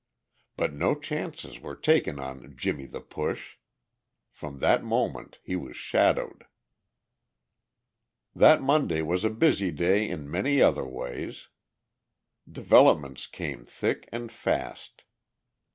But no chances were taken on "Jimmie the Push." From that moment he was shadowed. That Monday was a busy day in many other ways. Developments came thick and fast.